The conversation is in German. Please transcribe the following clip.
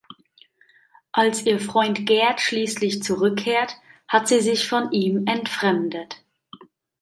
Als ihr Freund Gerd schließlich zurückkehrt, hat sie sich von ihm entfremdet.